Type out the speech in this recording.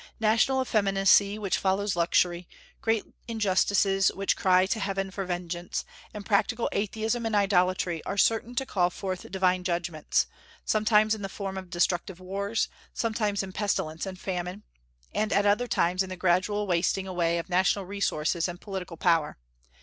National effeminacy which follows luxury, great injustices which cry to heaven for vengeance, and practical atheism and idolatry are certain to call forth divine judgments, sometimes in the form of destructive wars, sometimes in pestilence and famine, and at other times in the gradual wasting away of national resources and political power.